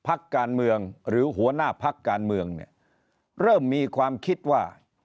พักการเมืองหรือหัวหน้าพักการเมืองเนี่ยเริ่มมีความคิดว่า